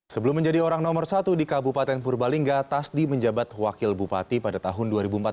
sebelum menjadi orang nomor satu di kabupaten purbalingga tasdi menjabat wakil bupati pada tahun dua ribu empat belas